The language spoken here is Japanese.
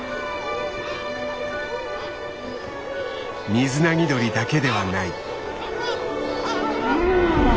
ミズナギドリだけではない。